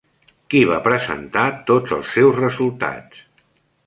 Qui va presentar tots els seus resultats?